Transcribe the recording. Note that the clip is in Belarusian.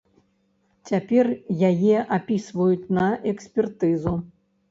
Цяпер яе апісваюць на экспертызу.